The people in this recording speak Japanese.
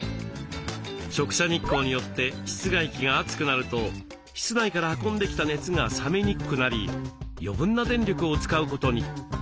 直射日光によって室外機が熱くなると室内から運んできた熱が冷めにくくなり余分な電力を使うことに。